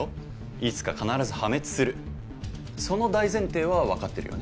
いつか必ず破滅するその大前提は分かってるよね？